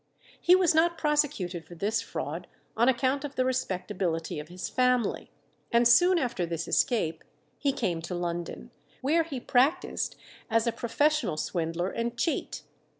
He was not prosecuted for this fraud on account of the respectability of his family, and soon after this escape he came to London, where he practised as a professional swindler and cheat.